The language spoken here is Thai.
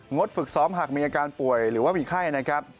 ฝึกซ้อมหากมีอาการป่วยหรือว่ามีไข้นะครับ